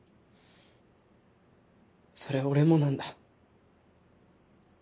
それ俺もなんだ。